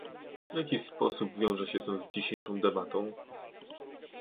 W jaki sposób wiąże się to z dzisiejszą debatą?